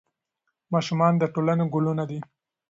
ماشومان د ټولنې ګلونه دي.